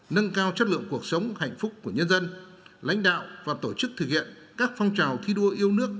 nâng cao chất lượng cuộc sống hạnh phúc của nhân dân lãnh đạo và tổ chức thực hiện các phong trào thi đua yêu nước